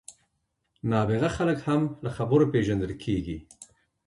نابغه خلک هم له خبرو پېژندل کېږي.